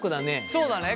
そうだね。